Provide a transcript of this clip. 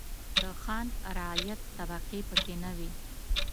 د خان-رعیت طبقې پکې نه وې.